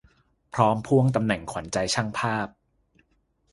พร้อมพ่วงตำแหน่งขวัญใจช่างภาพ